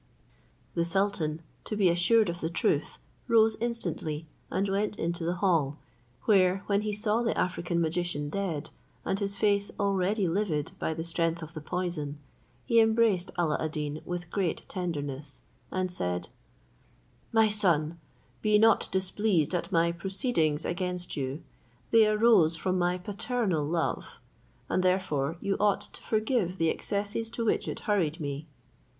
The sultan, to be assured of the truth, rose instantly, and went into the hall, where, when he saw the African magician dead, and his face already livid by the strength of the poison, he embraced Alla ad Deen with great tenderness, and said, "My son, be not displeased at my proceedings against you; they arose from my paternal love; and therefore you ought to forgive the excesses to which it hurried me."